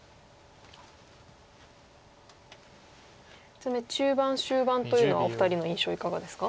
ちなみに中盤終盤というのはお二人の印象いかがですか？